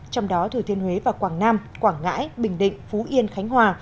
trong đó thừa thiên huế và quảng nam quảng ngãi bình định phú yên khánh hòa